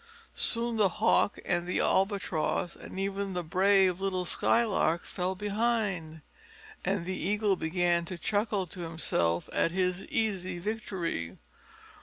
Soon the Hawk and the Albatross and even the brave little Skylark fell behind, and the Eagle began to chuckle to himself at his easy victory.